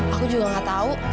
aku juga gak tahu